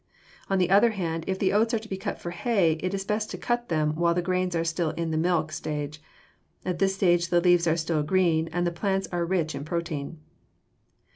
On the other hand, if the oats are to be cut for hay it is best to cut them while the grains are still in the milk stage. At this stage the leaves are still green and the plants are rich in protein.